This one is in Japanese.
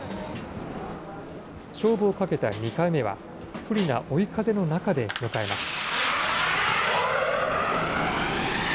勝負をかけた２回目は、不利な追い風の中で迎えました。